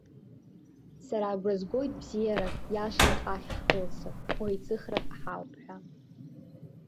Сара агәра згоит бзиарак, иашарак ахь ҳкылсып, бӷеиҵыхрак ҳауп ҳәа.